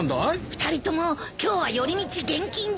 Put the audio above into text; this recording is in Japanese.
２人とも今日は寄り道厳禁ですので。